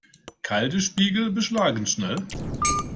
Kalte Spiegel beschlagen schnell.